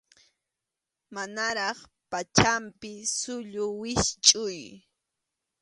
Manaraq pachanpi sullu wischʼuy.